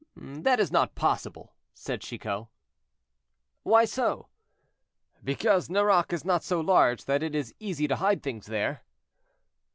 "That is not possible," said Chicot. "Why so?" "Because Nerac is not so large that it is easy to hide things there."